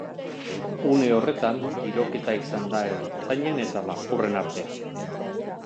Une horretan, tiroketa izan da ertzainen eta lapurren artean.